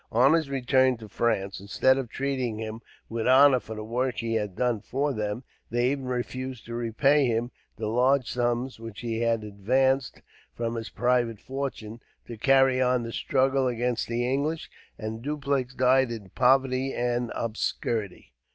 On his return to France, instead of treating him with honor for the work he had done for them, they even refused to repay him the large sums which he had advanced, from his private fortune, to carry on the struggle against the English; and Dupleix died in poverty and obscurity.